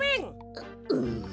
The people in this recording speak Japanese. ううん。